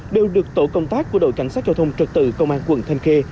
đều được tổ công tác của đội cảnh sát giao thông trật tự công an quận thanh khê